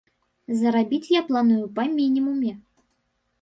Зарабіць я планую па мінімуме.